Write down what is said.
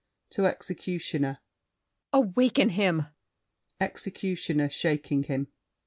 [To Executioner.] Awaken him! EXECUTIONER (shaking him).